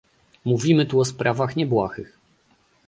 Mówimy tu o sprawach niebłahych